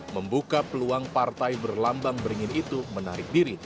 membuka peluang partai berlambang beringin itu menarik diri